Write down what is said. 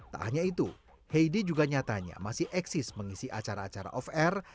tak hanya itu heidi juga nyatanya masih eksis mengisi acara acara off air